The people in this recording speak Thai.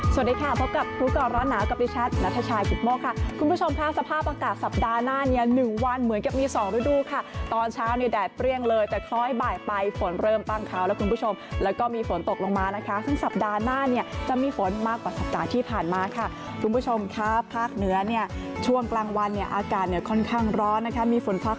สวัสดีค่ะพบกับพุทธกรรมร้อนหนาวกับดิฉันนัทชายกิฟโมคค่ะคุณผู้ชมค่ะสภาพอากาศสัปดาห์หน้านี้๑วันเหมือนกับมี๒ฤดูค่ะตอนเช้าในแดดเปรี้ยงเลยแต่คล้อยบ่ายไปฝนเริ่มตั้งคราวแล้วคุณผู้ชมแล้วก็มีฝนตกลงมานะคะซึ่งสัปดาห์หน้าเนี่ยจะมีฝนมากกว่าสัปดาห์ที่ผ่านมาค่ะคุณผู้ชม